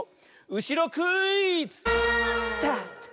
うしろクイズ！スタート。